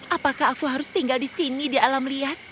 apakah aku harus tinggal di sini di alam liar